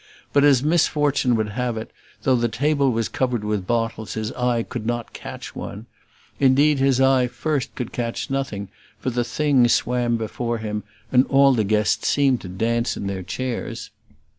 But, as misfortune would have it, though the table was covered with bottles, his eye could not catch one. Indeed, his eye first could catch nothing, for the things swam before him, and the guests all seemed to dance in their chairs.